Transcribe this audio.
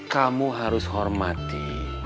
kamu harus hormati